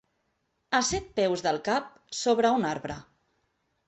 A set peus del cap, sobre un arbre.